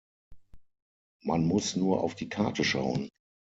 Man muss nur auf die Karte schauen.